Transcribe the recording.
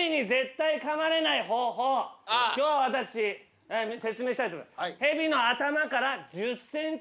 今日は私説明したい。